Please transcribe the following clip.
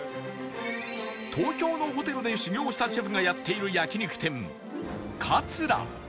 東京のホテルで修業したシェフがやっている焼肉店カツラ